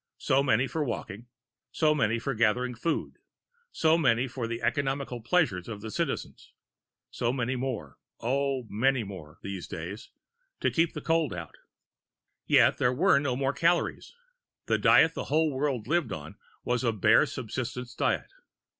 So many for walking, so many for gathering food. So many for the economical pleasures of the Citizens, so many more oh, many more, these days! to keep out the cold. Yet there were no more calories; the diet the whole world lived on was a bare subsistence diet.